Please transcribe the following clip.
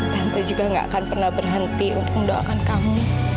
tante juga gak akan pernah berhenti untuk mendoakan kamu